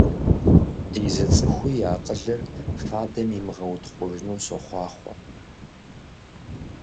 Ди зы цӀыхуи и акъылыр фадэм имыгъэутхъужыну сохъуахъуэ!